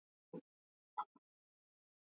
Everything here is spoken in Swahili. furusa hii inatokana na na nisi